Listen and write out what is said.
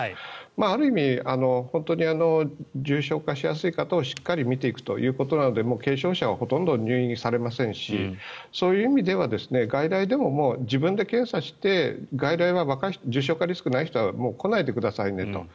ある意味本当に重症化しやすい方をしっかり診ていくということなので軽症者はほとんど入院されませんしそういう意味では外来でも自分で検査して外来は重症化リスクがない人はもう来ないでくださいねと。